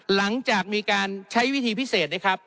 หลังจากมีการใช้วิธีพิเศษนะครับ